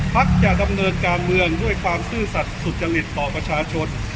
จะดำเนินการเมืองด้วยความซื่อสัตว์สุจริตต่อประชาชน